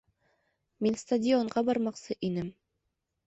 Мин стадионға бармаҡсы инем